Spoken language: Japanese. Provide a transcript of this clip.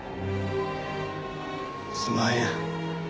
すんまへん。